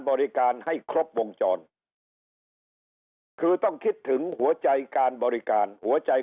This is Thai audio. บริการให้ครบวงจรคือต้องคิดถึงหัวใจการบริการหัวใจ